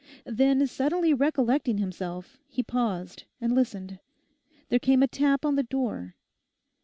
Then suddenly recollecting himself, he paused and listened. There came a tap on the door.